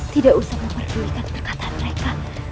tidak usah memperculikan perkataan mereka